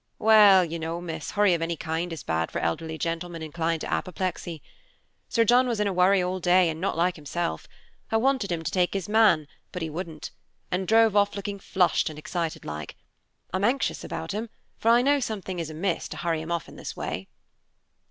"Well, you know, miss, hurry of any kind is bad for elderly gentlemen inclined to apoplexy. Sir John was in a worry all day, and not like himself. I wanted him to take his man, but he wouldn't; and drove off looking flushed and excited like. I'm anxious about him, for I know something is amiss to hurry him off in this way."